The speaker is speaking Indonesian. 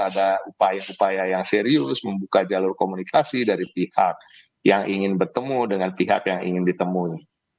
ada upaya upaya yang serius membuka jalur komunikasi dari pihak yang ingin bertemu dengan pihak yang ingin ditemui